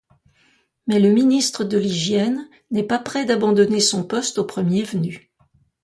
Mais le ministre de l'hygiène n'est pas près d'abandonner son poste au premier venu.